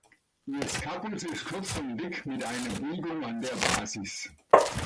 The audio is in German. Ihr Scapus ist kurz und dick mit einer Biegung an der Basis.